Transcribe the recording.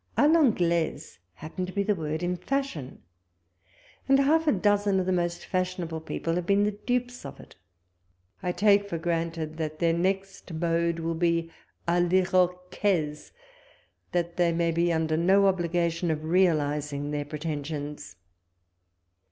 A rAnf]laise happened to be the word in fashion ; and half a dozen of the most fashionable people have been the dupes of it. I take for granted that their next mode will be d I'Iruquaise, that they may be under no obligation of realising their pretensions.